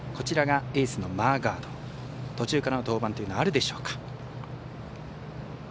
エースのマーガード途中からの登板というのはあるでしょうか。